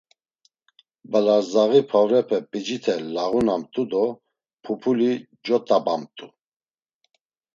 Balardzaği pavrepe p̌icite lağunamt̆u do pupuli cot̆ambamt̆u.